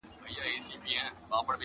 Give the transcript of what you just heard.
د څپو د زور یې نه ول مړوندونه،